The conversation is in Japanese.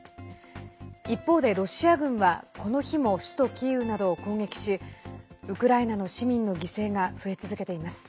一方で、ロシア軍はこの日も首都キーウなどを攻撃しウクライナの市民の犠牲が増え続けています。